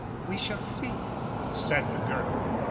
"We shall see," said the girl.